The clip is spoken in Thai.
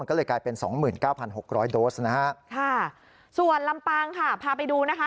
ค่ะส่วนลำปางค่ะพาไปดูนะคะ